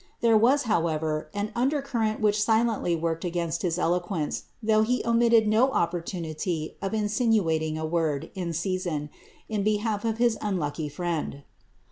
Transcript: There was, however, an under current which silently worked against his eloquence, though he omitted • no opportunity of insinuating a word, in season, in behalf of his unlucky friend.